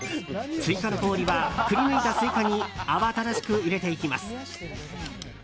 追加の氷は、くりぬいたスイカに慌ただしく入れていきます。